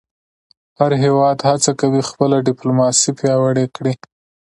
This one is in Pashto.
هر هېواد هڅه کوي خپله ډیپلوماسي پیاوړې کړی.